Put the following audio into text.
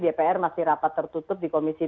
dpr masih rapat tertutup di komisi